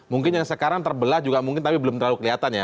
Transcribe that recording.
mungkin yang sekarang terbelah juga mungkin tapi belum terlalu kelihatan ya